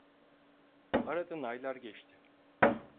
Aradan aylar geçti.